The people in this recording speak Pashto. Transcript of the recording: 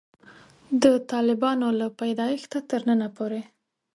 د طالبانو له پیدایښته تر ننه پورې.